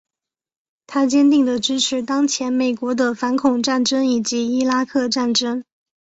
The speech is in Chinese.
他坚定的支持当前美国的反恐战争以及伊拉克战争。